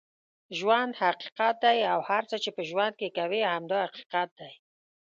ژوند حقیقت دی اوهر څه چې په ژوند کې کوې هم دا حقیقت دی